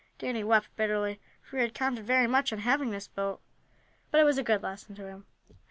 Danny wept bitterly, for he had counted very much on having this boat. But it was a good lesson to him.